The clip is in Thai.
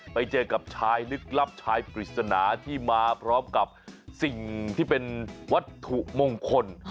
ไปเจอกับชายลึกลับชายปริศนาที่มาพร้อมกับสิ่งที่เป็นวัตถุมงคล